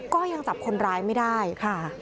ก็ยังจับคนร้ายไม่ได้ค่ะ